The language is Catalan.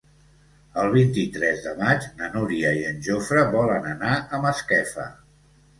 El vint-i-tres de maig na Núria i en Jofre volen anar a Masquefa.